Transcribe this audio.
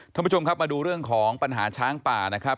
ท่านผู้ชมครับมาดูเรื่องของปัญหาช้างป่านะครับ